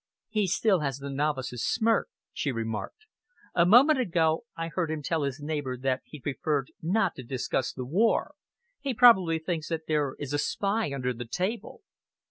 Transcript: "He still has the novice's smirk," she remarked. "A moment ago I heard him tell his neighbour that he preferred not to discuss the war. He probably thinks that there is a spy under the table."